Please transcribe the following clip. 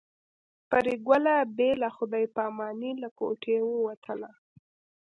پري ګله بې له خدای په امانۍ له کوټې ووتله